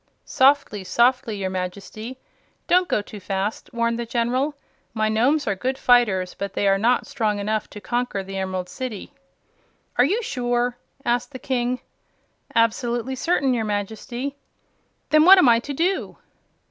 "Softly, softly, your Majesty. Don't go too fast," warned the General. "My Nomes are good fighters, but they are not strong enough to conquer the Emerald City." "Are you sure?" asked the King. "Absolutely certain, your Majesty." "Then what am I to do?"